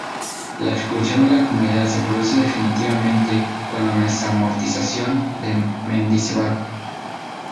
La expulsión de la comunidad se produce definitivamente con la desamortización de Mendizábal.